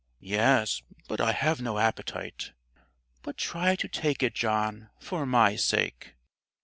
"Yes, but I have no appetite." "But try to take it, John, for my sake."